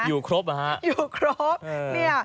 อยู่ครบนะฮะ